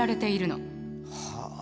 はあ。